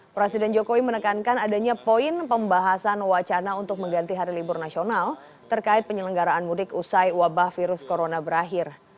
presiden jokowi menekankan adanya poin pembahasan wacana untuk mengganti hari libur nasional terkait penyelenggaraan mudik usai wabah virus corona berakhir